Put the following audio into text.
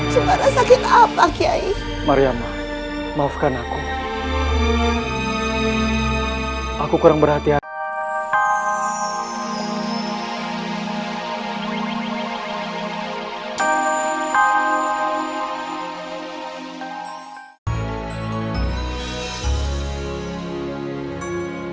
cuma rasa kena apa kyai mariam maafkan aku aku kurang berhati hati